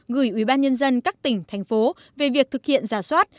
gửi ủy ban nhân dân các tỉnh thành phố về việc thực hiện giả soát